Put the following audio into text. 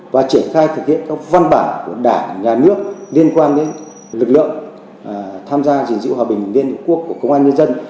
và triển khai thực hiện các văn bản của đảng nhà nước liên quan đến lực lượng tham gia gìn giữ hòa bình liên hợp quốc của công an nhân dân